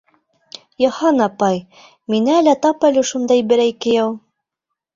Йыһан апай, миңә лә тап әле шунда берәй кейәү!